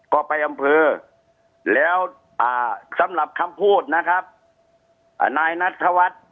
ก็ไปอำพือแล้วอ่าสำหรับคำพูดนะครับอ่านายนัดทวัด